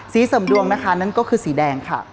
เสริมดวงนะคะนั่นก็คือสีแดงค่ะ